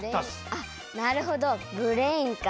あっなるほどブレインか。